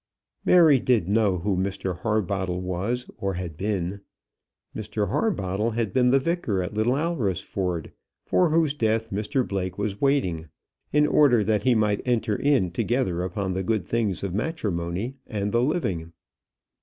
Mary did know who Mr Harbottle was, or had been. Mr Harbottle had been the vicar at Little Alresford, for whose death Mr Blake was waiting, in order that he might enter in together upon the good things of matrimony and the living.